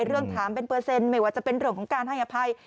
เรื่องถามเป็นเปอร์เซ็นต์ไม่ว่าจะเป็นเรื่องของการให้อภัย